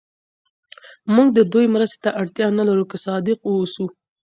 موږ د دوی مرستې ته اړتیا نه لرو که صادق واوسو.